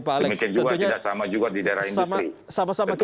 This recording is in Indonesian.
demikian juga tidak sama juga di daerah industri